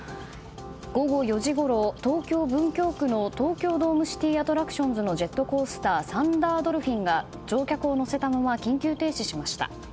午後４時ごろ、東京・文京区の東京ドームシティ・アトラクションズのジェットコースターサンダードルフィンが乗客を乗せたまま緊急停止しました。